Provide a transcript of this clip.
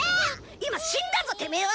今死んだぞてめぇは！